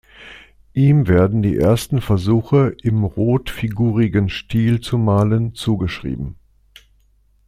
Ihm werden die ersten Versuche, im rotfigurigen Stil zu malen, zugeschrieben.